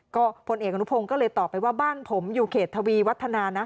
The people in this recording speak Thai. ก็พลเอกอนุพงศ์ก็เลยตอบไปว่าบ้านผมอยู่เขตทวีวัฒนานะ